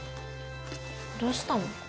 どうしたの？